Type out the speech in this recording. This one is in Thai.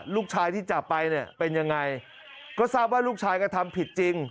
ลูกชายที่จับไปเนี่ยเป็นยังไงก็ทราบว่าลูกชายกระทำผิดจริง